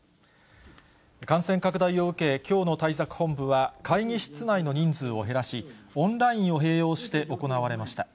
感染拡大を受け、きょうの対策本部は、会議室内の人数を減らし、オンラインを併用して行われました。